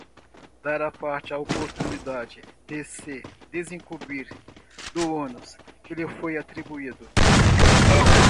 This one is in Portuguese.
dar à parte a oportunidade de se desincumbir do ônus que lhe foi atribuído.